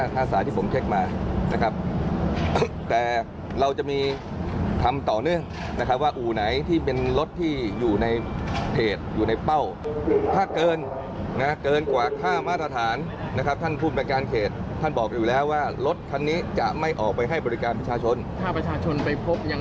ถ้าประชาชนไปพบยังสามารถถ่ายคลิปแจ้งทะเบียนรถมาทั้งเหตุใด